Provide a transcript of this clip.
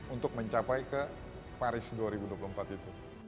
untuk mencapai ke paris dua ribu dua puluh empat itu